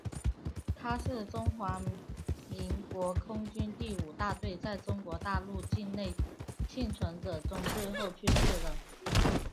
他是中华民国空军第五大队在中国大陆境内幸存者中最后去世的。